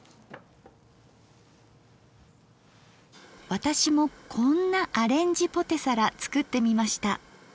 私もこんなアレンジポテサラ作ってみました。